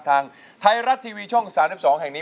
ทางไทยรัฐทีวีช่อง๓๒แห่งนี้